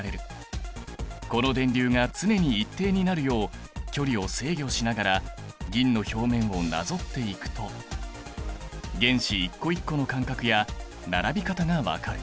この電流が常に一定になるよう距離を制御しながら銀の表面をなぞっていくと原子一個一個の間隔や並び方が分かる。